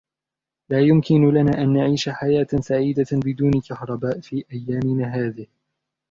لا يمكن لنا أن نعيش حياة سعيدة بدون كهرباء في أيامنا هذه.